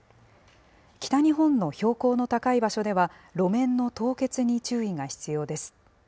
北日本の標高の高い場所では、路面の凍結に注意が必要です。